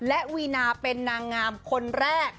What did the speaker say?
และวีนาเป็นนางงามคนแรก